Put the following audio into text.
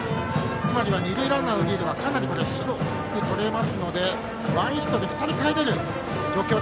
つまりは二塁ランナーのリードがかなり広くとれますのでワンヒットで２人かえれる状況。